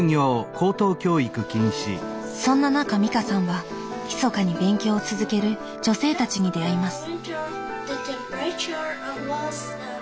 そんな中美香さんはひそかに勉強を続ける女性たちに出会います